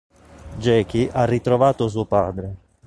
Jackie ha ritrovato suo padre.